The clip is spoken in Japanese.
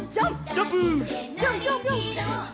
ジャンプ！